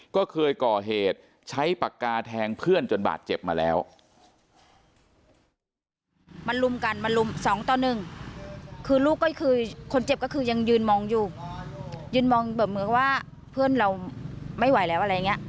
ก็เคยก่อเหตุใช้ปากกาแทงเพื่อนจนบาดเจ็บมาแล้ว